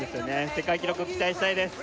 世界記録を期待したいです